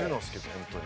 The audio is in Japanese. ホントに。